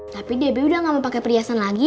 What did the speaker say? tapi debi sudah enggak mau pakai perhiasan lagi